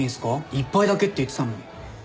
１杯だけって言ってたのに。